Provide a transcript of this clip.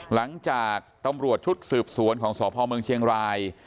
หลังจากตำรวจชุดสืบสวนของสพเมืองเชียงราย